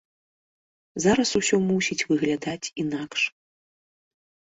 Зараз усё мусіць выглядаць інакш.